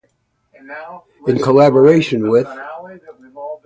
In collaboration with